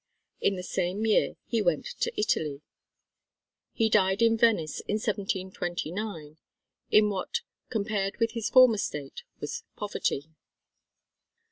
In the same year he went to Italy. He died in Venice in 1729, in what, compared with his former state, was poverty.